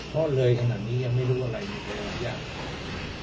เพราะเลยขนาดนี้ยังไม่รู้อะไรมีคนหลายอย่าง